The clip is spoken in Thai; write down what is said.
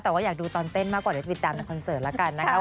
แต่ว่าอยากดูตอนเต้นมากกว่าเดี๋ยวติดตามในคอนเสิร์ตแล้วกันนะคะ